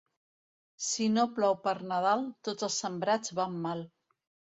Si no plou per Nadal, tots els sembrats van mal.